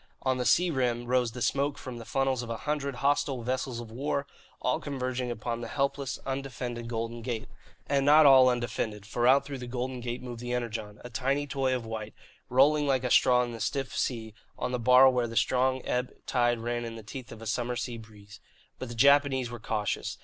On the sea rim rose the smoke from the funnels of a hundred hostile vessels of war, all converging upon the helpless, undefended Golden Gate. And not all undefended, for out through the Golden Gate moved the Energon, a tiny toy of white, rolling like a straw in the stiff sea on the bar where a strong ebb tide ran in the teeth of the summer sea breeze. But the Japanese were cautious.